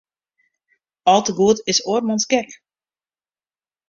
Al te goed is oarmans gek.